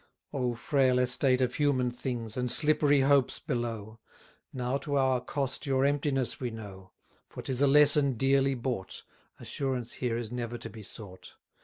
Oh, frail estate of human things, And slippery hopes below! Now to our cost your emptiness we know, For 'tis a lesson dearly bought, Assurance here is never to be sought.